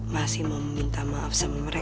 masih mau minta maaf sama mereka